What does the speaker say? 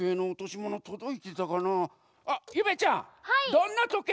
どんなとけい？